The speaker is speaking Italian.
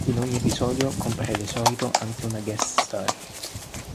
In ogni episodio compare di solito anche una guest star.